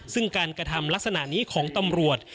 ซึ่งการกระทำลักษณะนี้ของตำรวจ